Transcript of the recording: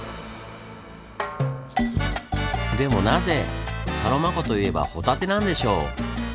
でもなぜ「サロマ湖といえばホタテ」なんでしょう？